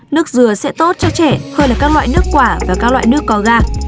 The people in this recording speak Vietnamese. nước dừa sẽ tốt cho trẻ hơn là các loại nước quả và các loại nước có ga